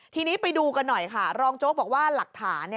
ทีนี้ไปดูกันหน่อยค่ะรองโจ๊กบอกว่าหลักฐาน